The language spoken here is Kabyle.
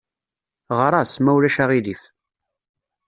Ɣer-as, ma ulac aɣilif.